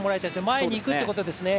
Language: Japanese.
前に行くってことですね。